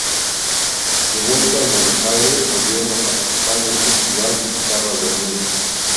De vuelta en Buenos Aires, volvieron a participar en el festival Guitarras del Mundo.